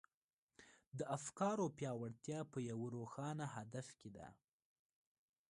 د افکارو پياوړتيا په يوه روښانه هدف کې ده.